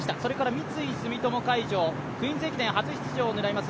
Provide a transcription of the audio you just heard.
三井住友海上、クイーンズ駅伝初出場を狙います